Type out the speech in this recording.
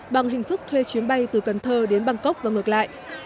bằng hình thức thuê chuyến bay từ cần thơ đến bangkok và ngược lại